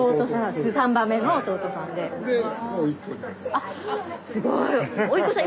あっすごい！